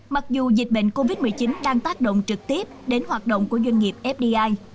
mặc dù dịch bệnh covid một mươi chín đang tác động trực tiếp đến hoạt động của doanh nghiệp fdi